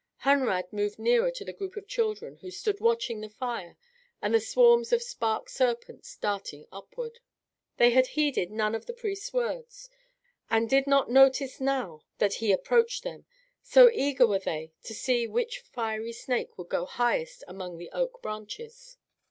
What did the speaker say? Hunrad moved nearer to the group of children who stood watching the fire and the swarms of spark serpents darting upward. They had heeded none of the priest's words, and did not notice now that he approached them, so eager were they to see which fiery snake would go highest among the oak branches.